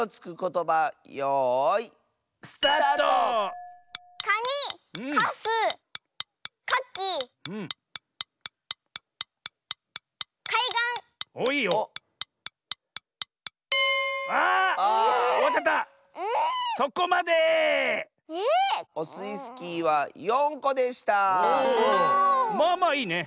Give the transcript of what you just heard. まあまあいいね。